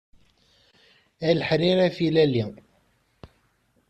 A leḥrir afilali.